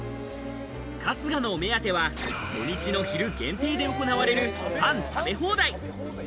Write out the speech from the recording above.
春日のお目当ては、土日の昼限定で行われるパン食べ放題。